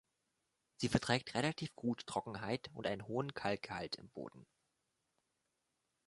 Sie verträgt relativ gut Trockenheit und einen hohen Kalkgehalt im Boden.